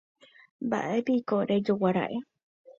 Mba'épiko rejoguára'e.